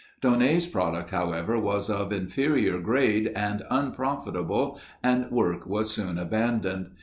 Daunet's product however, was of inferior grade and unprofitable and work was soon abandoned.